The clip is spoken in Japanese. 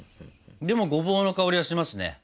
でもごぼうの香りはしますね。